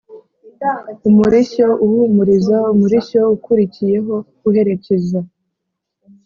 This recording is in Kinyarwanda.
umurishyo uhumuriza: umurishyo ukurikiyeho; uherekeza